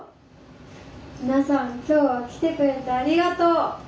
「皆さん今日は来てくれてありがとう！